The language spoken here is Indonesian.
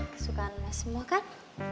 kesukaan mas semua kan